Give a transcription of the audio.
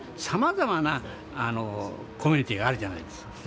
さまざまなコミュニティーがあるじゃないですか。